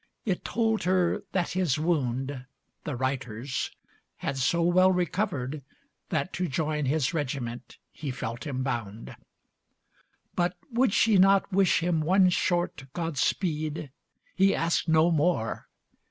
It told her that his wound, The writer's, had so well recovered that To join his regiment he felt him bound. But would she not wish him one short "Godspeed", He asked no more.